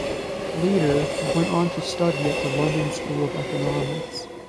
Later, he went on to study at the London School of Economics.